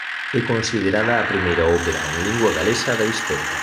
É considerada a primeira ópera en lingua galesa da historia.